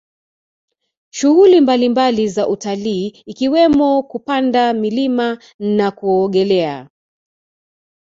Shughuli mbalimbali za utalii ikiwemo kupanda milima na kuogelea